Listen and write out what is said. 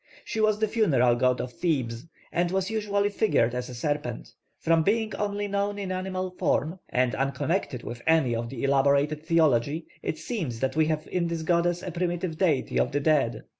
She was the funeral god of Thebes, and was usually figured as a serpent. From being only known in animal form, and unconnected with any of the elaborated theology, it seems that we have in this goddess a primitive deity of the dead.